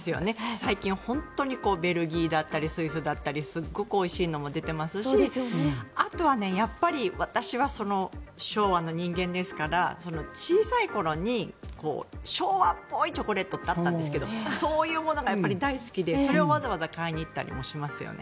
最近、本当にベルギーだったりスイスだったりすごくおいしいのも出てますしあとは、やっぱり私は昭和の人間ですから小さい頃に昭和っぽいチョコレートってあったんですけどそういうものが大好きでそれをわざわざ買いに行ったりしますよね。